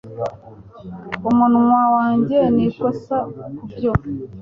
umunwa wanjye ni ikosa kubyo